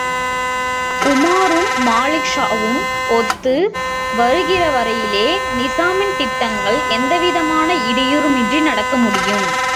உமாரும், மாலிக் ஷாவும் ஒத்து வருகிறவரையிலே நிசாமின் திட்டங்கள் எந்தவிதமான இடையூறுமின்றி நடக்கமுடியும்.